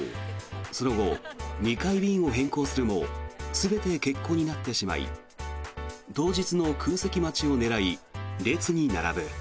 その後、２回、便を変更するも全て欠航になってしまい当日の空席待ちを狙い列に並ぶ。